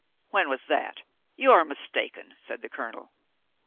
"When was that? You are mistaken," said the colonel.